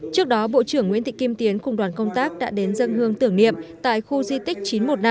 trước đó bộ trưởng nguyễn thị kim tiến cùng đoàn công tác đã đến dân hương tưởng niệm tại khu di tích chín trăm một mươi năm